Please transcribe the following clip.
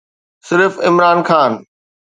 صرف عمران خان.